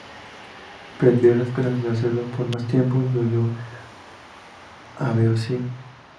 Perdió la esperanza de hacerlo por más tiempo, y huyó a Beocia.